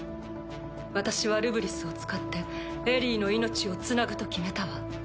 私はルブリスを使ってエリィの命をつなぐと決めたわ。